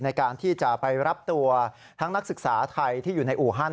ในการที่จะไปรับตัวทั้งนักศึกษาไทยที่อยู่ในอู่ฮัน